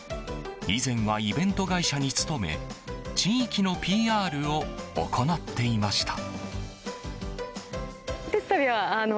以前はイベント会社に勤め地域のＰＲを行っていました。